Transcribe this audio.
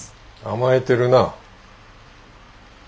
甘えてるな。